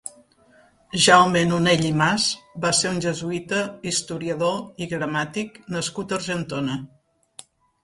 Jaume Nonell i Mas va ser un jesuïta, historiador i gramàtic nascut a Argentona.